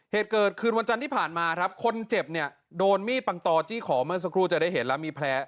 เหตุเกิดคืนวันจันทร์ที่ผ่านมาครับคนเจ็บเนี่ยโดนมีดปังตอจี้ขอเมื่อสักครู่จะได้เห็นแล้วมีแผล